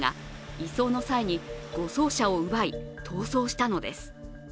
移送の際に、護送車を奪い逃走したのです。